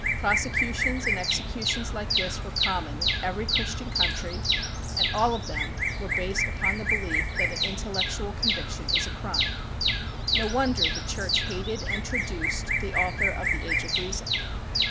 Prosecutions and executions like this were common in every Christian country, and all of them were based upon the belief that an intellectual conviction is a crime. No wonder the Church hated and traduced the author of the "Age of Reason."